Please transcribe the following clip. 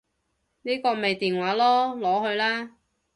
呢個咪電話囉，攞去啦